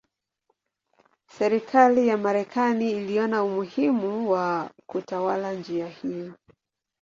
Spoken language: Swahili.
Serikali ya Marekani iliona umuhimu wa kutawala njia hii.